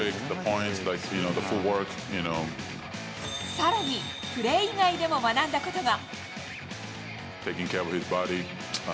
さらに、プレー以外でも学んだことが。